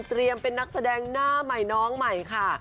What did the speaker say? เป็นนักแสดงหน้าใหม่น้องใหม่ค่ะ